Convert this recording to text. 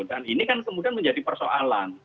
dan ini kan kemudian menjadi persoalan